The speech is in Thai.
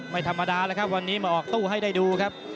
ไม่ธรรมดาแล้วครับวันนี้มาออกตู้ให้ได้ดูครับ